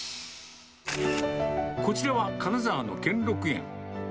こちらは、金沢の兼六園。